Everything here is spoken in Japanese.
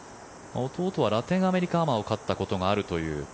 弟はラテンアメリカアマを勝ったことがあるという。